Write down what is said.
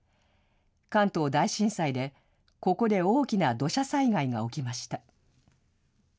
関東大震災でここで大きな土砂災害が起きました。